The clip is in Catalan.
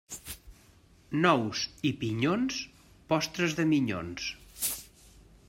Nous i pinyons, postres de minyons.